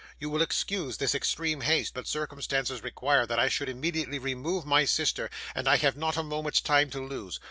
You will excuse this extreme haste, but circumstances require that I should immediately remove my sister, and I have not a moment's time to lose.